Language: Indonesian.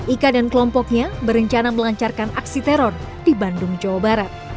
ika dan kelompoknya berencana melancarkan aksi teror di bandung jawa barat